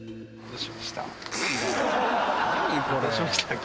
どうしました？